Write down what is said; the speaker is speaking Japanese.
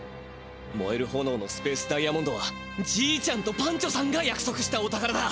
もえるほのおのスペースダイヤモンドはじいちゃんとパンチョさんがやくそくしたお宝だ。